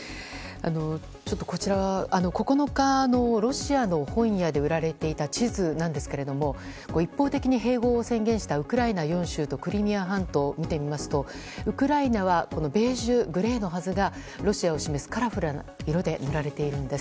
こちらは９日のロシアの本屋で売られていた地図なんですが一方的に併合を宣言したウクライナ４州とクリミア半島を見てみますと、ウクライナはベージュ、グレーのはずがロシアを示すカラフルな色で塗られているんです。